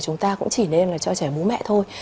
chúng ta cũng chỉ nên là cho trẻ bố mẹ thôi